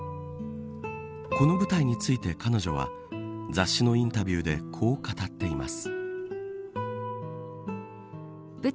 この舞台について彼女は雑誌のインタビューでこう語っています。